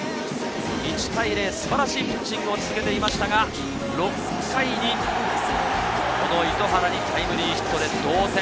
１対０、素晴らしいピッチングを続けていましたが、６回に糸原にタイムリーヒットで同点。